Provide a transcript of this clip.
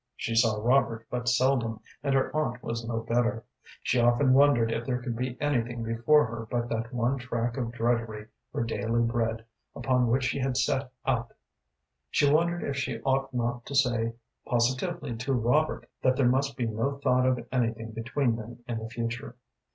She saw Robert but seldom, and her aunt was no better. She often wondered if there could be anything before her but that one track of drudgery for daily bread upon which she had set out. She wondered if she ought not to say positively to Robert that there must be no thought of anything between them in the future.